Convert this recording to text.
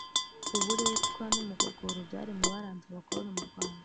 uburetwa n'umugogoro byari mu byaranze abakoroni m’urwanda